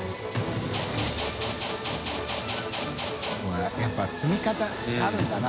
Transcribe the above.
海やっぱ積み方あるんだな。